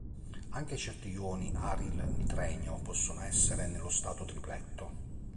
Anche certi ioni aril-nitrenio possono essere nello stato tripletto.